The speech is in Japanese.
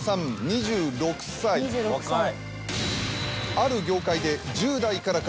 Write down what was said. ある業界で。